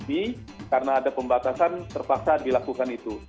tapi karena ada pembatasan terpaksa dilakukan itu